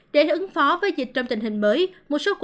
để ứng phó với dịch trong tình hình mới